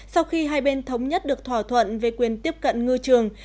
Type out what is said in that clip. sau khi hai bên thống nhất được thỏa thuận về quyền tiếp cận ngư trường